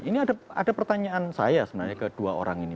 ini ada pertanyaan saya sebenarnya ke dua orang ini